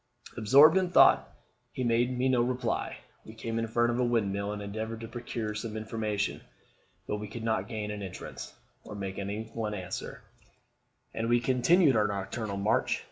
Absorbed in thought, he made me no reply. We came in front of a windmill, and endeavoured to procure some information; but we could not gain an entrance, or make any one answer, and we continued our nocturnal march.